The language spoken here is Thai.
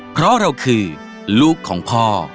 เพราะเราคือลูกของพ่อ